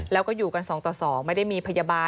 แล้วก็อยู่กัน๒ต่อ๒ไม่ได้มีพยาบาล